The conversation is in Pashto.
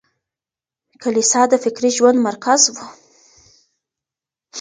کليسا د فکري ژوند مرکز و.